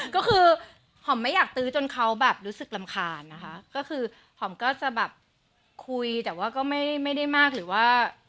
ก็คือหอมไม่อยากตื้อจนเขาแบบรู้สึกรำคาญนะคะก็คือหอมก็จะแบบคุยแต่ว่าก็ไม่ได้มากหรือว่า